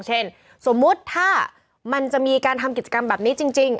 เช่นสมมุติถ้ามันจะมีการทำกิจกรรมแบบนี้จริง